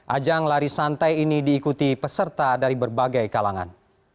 ajang lari santai ini diikuti peserta dari berbagai kalangan